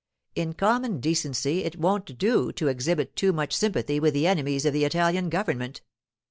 In common decency it won't do to exhibit too much sympathy with the enemies of the Italian government.